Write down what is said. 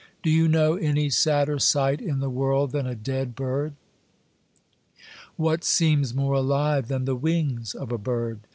Do you know any sadder sight in the world than a dead bird? What seems more alive than the wings of a bird?